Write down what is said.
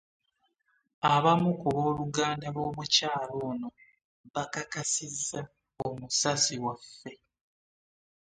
Abamu ku booluganda b'omukyala ono bakakasiza omusasi waffe.